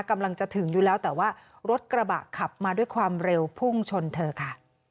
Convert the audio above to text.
กำลังจะถึงอยู่แล้วแต่ว่ารถกระบะขับมาด้วยความเร็วพุ่งชนเธอค่ะ